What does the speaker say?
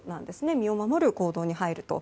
身を守る行動に入ると。